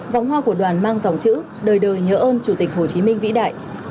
vòng hoa của đoàn mang dòng chữ đời đời nhớ ơn chủ tịch hồ chí minh vĩ đại